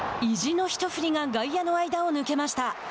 意地の一振りが外野の間を抜けました。